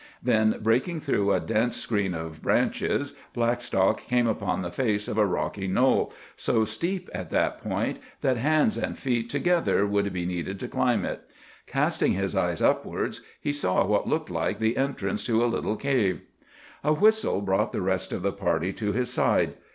Then, breaking through a dense screen of branches, Blackstock came upon the face of a rocky knoll, so steep, at that point, that hands and feet together would be needed to climb it. Casting his eyes upwards, he saw what looked like the entrance to a little cave. A whistle brought the rest of the party to his side.